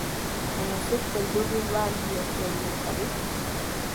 Baina zuk, beldurrik ba al diozu heriotzari?